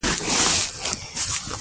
ولسواکي قدرت له وحشي بڼې اهلي کوي.